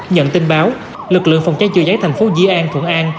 nhận tin báo lực lượng phòng cháy chữa cháy thành phố dĩ an thuận an